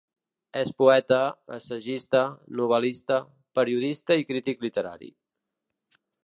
És poeta, assagista, novel·lista, periodista i crític literari.